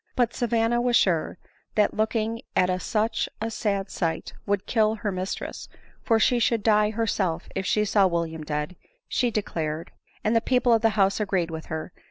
But Savanna was sure that looking at a such a sad sight would kill her mistress ; for she should die herself if she saw William dead, she declared ; and the people of the house agreed with her.